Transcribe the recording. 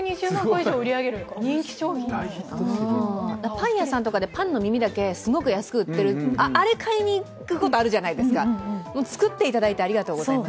パン屋さんとかでパンの耳だけすごく安く売ってるあれを買いに行くことってあるじゃないですかもう作っていただいて、ありがとうございます。